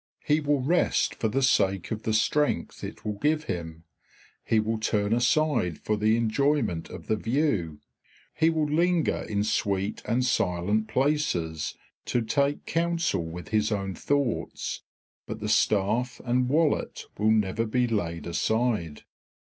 He will rest for the sake of the strength it will give him; he will turn aside for the enjoyment of the view; he will linger in sweet and silent places to take counsel with his own thoughts; but the staff and wallet will never be laid aside.